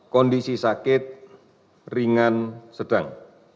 kondisi sakit ringan sedang